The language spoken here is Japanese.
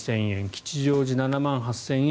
吉祥寺７万８０００円。